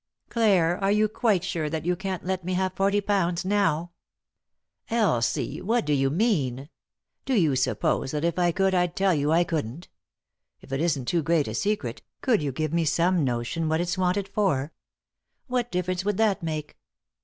" Clare, are you quite sure that you can't let me have forty pounds — now ?"" Elsie 1 — what do you mean ? Do you suppose that if I could I'd tell you I couldn't ? If it isn't too great a secret, could you give me some notion what it's wanted for ?"" What difference would that make